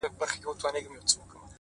په تورو سترگو کي کمال د زلفو مه راوله’